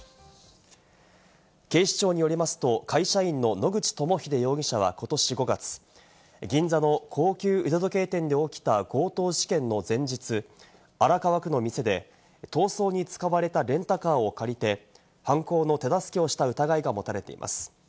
警視庁によりますと、会社員の野口朋秀容疑者はことし５月、銀座の高級腕時計店で起きた強盗事件の前日、荒川区の店で、逃走に使われたレンタカーを借りて犯行の手助けをした疑いが持たれています。